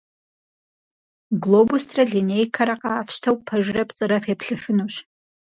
Глобусрэ линейкэрэ къафщтэу, пэжрэ пцӀырэ феплъыфынущ.